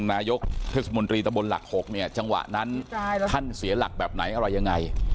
นายกเทศมนตรีตะบนหลัก๖เนี่ยจังหวะนั้นท่านเสียหลักแบบไหนอะไรยังไง